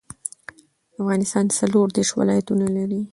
افغانستان څلور دیرش ولايتونه لري